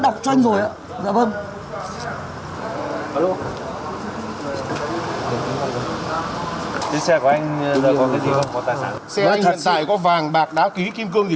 anh thổi vơi đều và dài không hất quen nhé